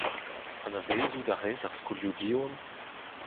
Anavezout a rez ar skolioù Diwan ?